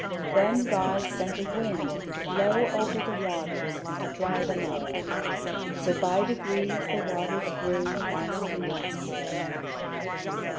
Then God sent a wind to blow over the waters, and to dry them up; so by degrees the waters grew less and less.